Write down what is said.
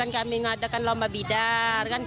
kami mengadakan lomba bidar